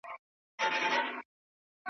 یو خوا ډانګ دی بلخوا پړانګ دی